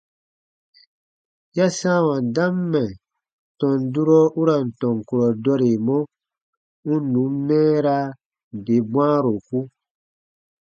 Ya sãawa dam mɛ̀ tɔn durɔ u ra n tɔn kurɔ dɔremɔ, u n nùn mɛɛraa nde bwãaroku.